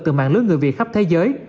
từ mạng lưới người việt khắp thế giới